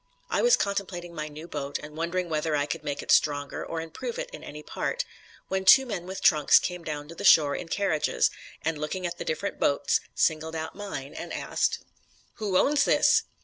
I was contemplating my new boat, and wondering whether I could make it stronger or improve it in any part, when two men with trunks came down to the shore in carriages, and looking at the different boats, singled out mine, and asked: "'Who owns this?'